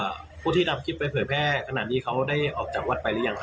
แล้วกับผู้ที่ทำคลิปแพร่แพร่ขนาดนี้เขาได้ออกจากวัดไปหรือยังค่ะ